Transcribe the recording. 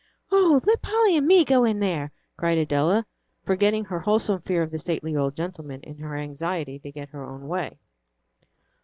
"Oh, let Polly and me go in there!" cried Adela, forgetting her wholesome fear of the stately old gentleman in her anxiety to get her own way.